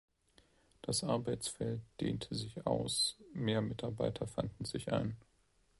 Das Arbeitsfeld dehnte sich aus, mehr Mitarbeiter fanden sich ein.